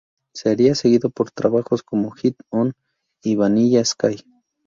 Sería seguido por trabajos como ""Get On"" y ""Vanilla Sky"".